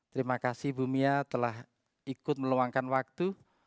terima kasih bu mia telah ikut meluangkan waktu